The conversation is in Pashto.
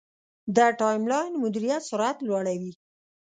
د ټایملاین مدیریت سرعت لوړوي.